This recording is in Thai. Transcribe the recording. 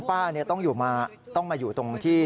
ป้าต้องมาอยู่ตรงที่